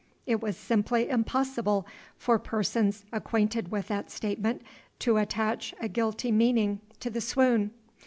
It was simply impossible for persons acquainted with that statement to attach a guilty meaning to the swoon.